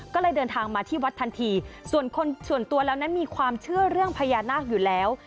ก็เลยเดินทางมาที่วัดทันทีส่วนคนส่วนตัวแล้วนั้นมีความเชื่อเรื่องพญานาคอยู่แล้ว